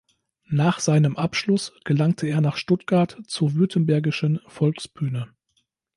Nach seinem Abschluss gelangte er nach Stuttgart zur Württembergischen Volksbühne.